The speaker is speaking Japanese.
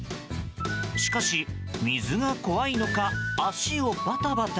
しかし、水が怖いのか足をバタバタ。